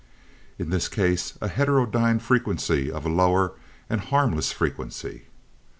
"In this case, a heterodyne frequency of a lower, and harmless frequency."